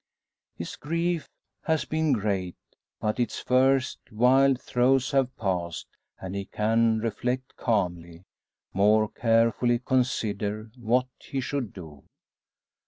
His grief has been great, but its first wild throes have passed and he can reflect calmly more carefully consider, what he should do.